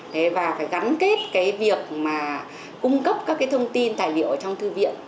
thế và phải gắn kết cái việc mà cung cấp các cái thông tin tài liệu ở trong thư viện